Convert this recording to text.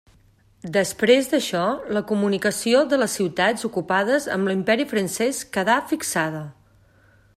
Després d’això, la comunicació de les ciutats ocupades amb l’Imperi francès quedà fixada.